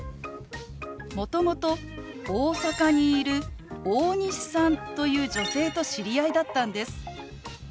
もともと大阪にいる大西さんという女性と知り合いだったんです。